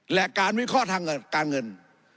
และการวิเคราะห์ทางการเงิน